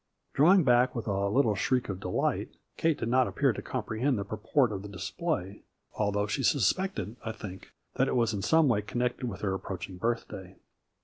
Drawing back with a little shriek of delight, Kate did not appear to comprehend the pur port of the display, although she suspected, I think, that it was in some way connected with her approaching birthday.